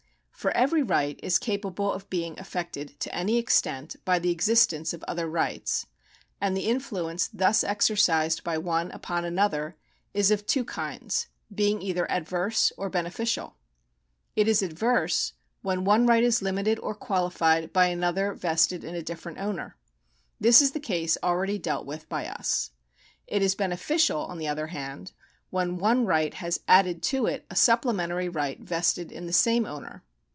For every right is capable of being affected to any extent by the existence of other rights ; and the influence thus exercised by one upon another is of two kinds, being either adverse or beneficial. It is adverse, when one right is limited or qualified by another vested in a different owner. This is the case already dealt with by us. It is beneficial, on the other hand, when one right has added to it a supplementary right vested in the same owner.